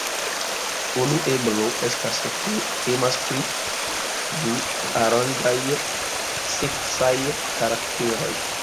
Unu eblo estas ke temas pri duarangaj seksaj karakteroj.